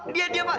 dia dia pak